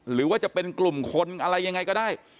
หรือว่าจะเป็นกลุ่มคนอะไรยังไงก็ได้